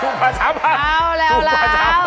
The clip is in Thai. ถูกกว่า๓๐๐๐บาท